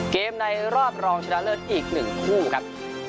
ในรอบรองชนะเลิศอีก๑คู่ครับ